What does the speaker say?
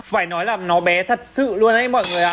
phải nói là nó bé thật sự luôn đấy mọi người